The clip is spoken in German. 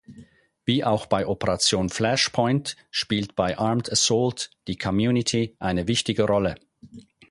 Wie auch bei Operation Flashpoint spielt bei Armed Assault die Community eine wichtige Rolle.